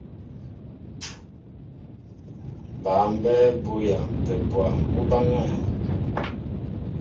Bǎ mbɛ́ɛ́ bú yampɛ bwâm, ú báŋɛ́ɛ̄.